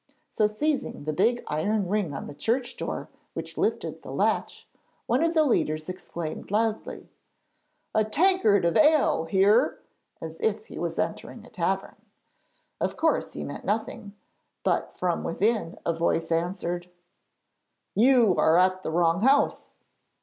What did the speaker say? So seizing the big iron ring on the church door which lifted the latch, one of the leaders exclaimed loudly: 'A tankard of ale here!' as if he was entering a tavern. Of course he meant nothing, but from within a voice answered: 'You are at the wrong house.'